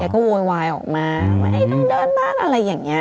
ก็โวยวายออกมาว่าต้องเดินบ้านอะไรอย่างนี้